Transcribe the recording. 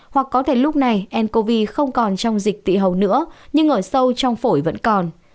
hoặc có thể lúc này ncov không còn trong dịch tị hầu nữa nhưng ở sâu trong phổi vẫn còn